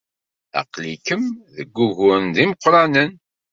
Aql-ikem deg wuguren d imeqranen.